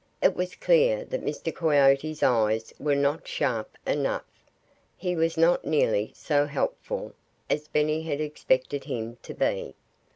It was clear that Mr. Coyote's eyes were not sharp enough. He was not nearly so helpful as Benny had expected him to be.